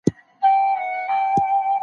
د زده کړي اړوند ستونزي په مشوره حل کېږي.